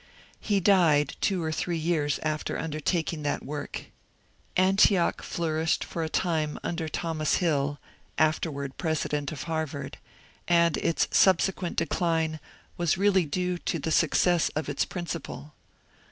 He died two or three years after undertaking that work. Antioch flourished for a time under Thomas Hill, afterward president of Harvard, and its subsequent decline was really due to the success of its principle.